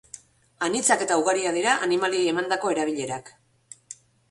Anitzak eta ugariak dira animaliei emandako erabilerak.